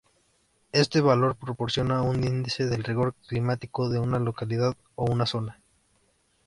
Este valor proporciona un índice del rigor climático de una localidad o una zona.